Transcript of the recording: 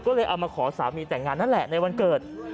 ก็เลยเอามาขอสามีแต่งงานนั่นแหละในวันเกิด